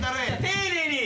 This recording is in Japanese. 丁寧に！